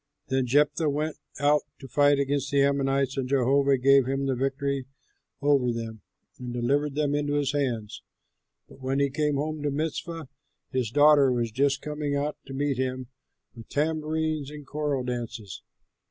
So Jephthah went out to fight against the Ammonites; and Jehovah gave him the victory over them, and delivered them into his hands. But when he came home to Mizpah, his daughter was just coming out to meet him with tambourines and choral dances.